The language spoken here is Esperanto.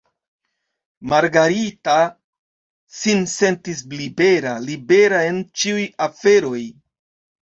Margarita sin sentis libera, libera en ĉiuj aferoj.